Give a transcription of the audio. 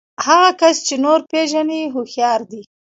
هغه کس چې نور پېژني هوښيار دی.